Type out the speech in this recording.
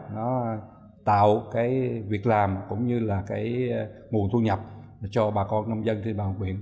nó tạo việc làm cũng như là nguồn thu nhập cho bà con nông dân trên địa bàn huyện